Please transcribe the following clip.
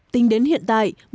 tính đến hiện tại